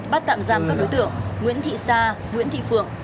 bắt tạm giam các đối tượng nguyễn thị sa nguyễn thị phượng